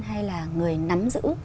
hay là người nắm giữ